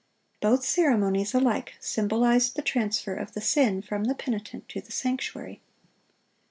(689) Both ceremonies alike symbolized the transfer of the sin from the penitent to the sanctuary.